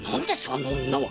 あの女は！